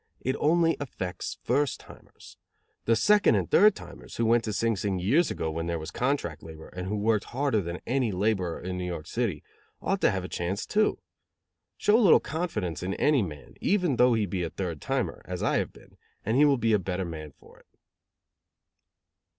It only effects first timers. The second and third timers, who went to Sing Sing years ago when there was contract labor and who worked harder than any laborer in New York City, ought to have a chance, too. Show a little confidence in any man, even though he be a third timer, as I have been, and he will be a better man for it.